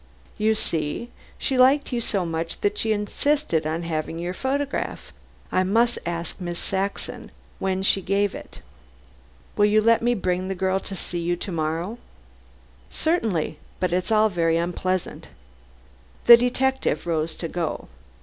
"You see. She liked you so much that she insisted on having your photograph. I must ask Miss Saxon when she gave it. Will you let me bring this girl to see you to morrow?" "Certainly. But it's all very unpleasant." The detective rose to go.